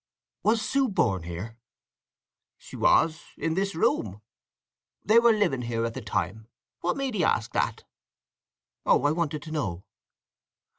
"Was Sue born here?" "She was—in this room. They were living here at that time. What made 'ee ask that?" "Oh—I wanted to know."